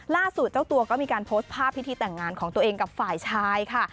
เจ้าตัวก็มีการโพสต์ภาพพิธีแต่งงานของตัวเองกับฝ่ายชายค่ะ